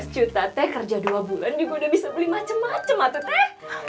lima belas juta teh kerja dua bulan juga udah bisa beli macem macem atau teh